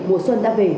mùa xuân đã về